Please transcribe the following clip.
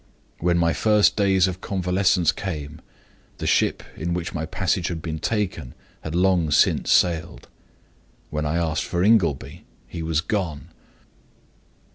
When my first days of convalescence came, the ship in which my passage had been taken had long since sailed. When I asked for Ingleby, he was gone.